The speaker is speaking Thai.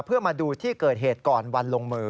เพื่อมาดูที่เกิดเหตุก่อนวันลงมือ